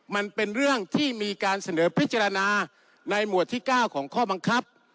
มันเป็นเรื่องที่มีการเสนอพิจารณาในหมวดที่๙ของข้อบังคับ